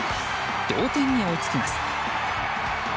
同点に追いつきます。